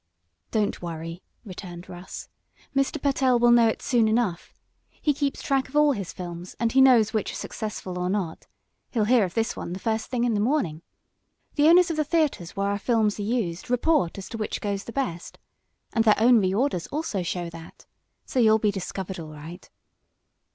"Don't worry," returned Russ. "Mr. Pertell will know it soon enough. He keeps track of all his films, and he knows which are successful or not. He'll hear of this one the first thing in the morning. The owners of the theaters where our films are used report as to which go the best. And their own re orders also show that. So you'll be discovered, all right."